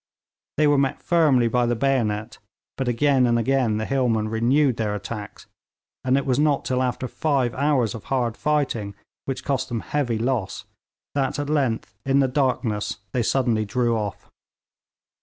They were met firmly by the bayonet, but again and again the hillmen renewed their attacks; and it was not till after five hours of hard fighting which cost them heavy loss, that at length, in the darkness, they suddenly drew off.